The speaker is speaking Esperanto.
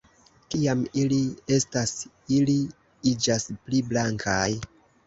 Kiam ili aĝas ili iĝas pli blankaj.